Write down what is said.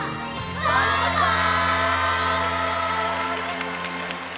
バイバイ！